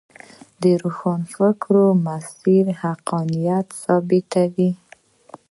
د روښانفکرو مسیر حقانیت ثابتوي.